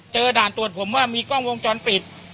ด่านตรวจผมว่ามีกล้องวงจรปิด